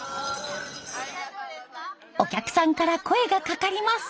お客さんから声がかかります。